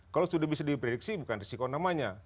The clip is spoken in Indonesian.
kalau sudah bisa diprediksi bukan risiko namanya